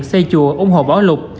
xây chùa ủng hộ bỏ lục